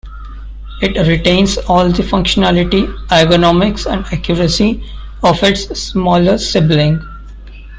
It retains all the functionality, ergonomics and accuracy of its smaller sibling.